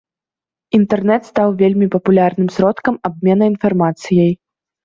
Інтэрнэт стаў вельмі папулярным сродкам абмена інфармацыяй.